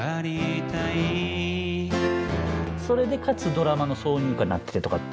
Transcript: それでかつドラマの挿入歌になっててとかっていう。